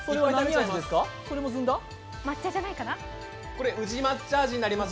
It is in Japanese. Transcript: これ、宇治抹茶味になります。